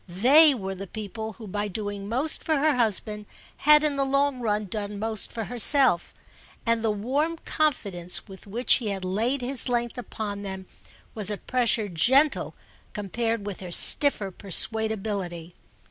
They were the people who by doing most for her husband had in the long run done most for herself; and the warm confidence with which he had laid his length upon them was a pressure gentle compared with her stiffer persuadability.